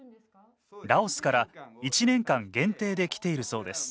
ラオスから１年間限定で来ているそうです